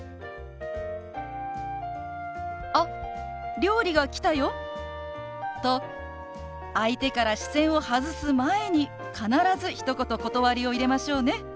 「あ料理が来たよ」と相手から視線を外す前に必ずひと言断りを入れましょうね。